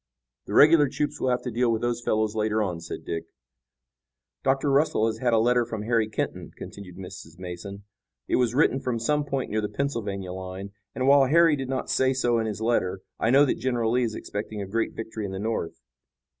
"The regular troops will have to deal with those fellows later on," said Dick. "Dr. Russell has had a letter from Harry Kenton," continued Mrs. Mason. "It was written from some point near the Pennsylvania line, and, while Harry did not say so in his letter, I know that General Lee is expecting a great victory in the North.